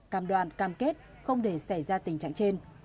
cam đoàn cam kết không để xảy ra tình trạng trên